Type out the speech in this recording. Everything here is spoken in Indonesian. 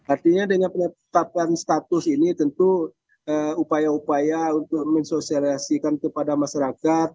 artinya dengan penetapan status ini tentu upaya upaya untuk mensosialisasikan kepada masyarakat